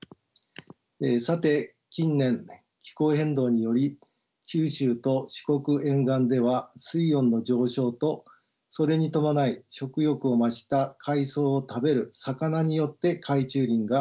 さて近年気候変動により九州と四国沿岸では水温の上昇とそれに伴い食欲を増した海藻を食べる魚によって海中林が消失しています。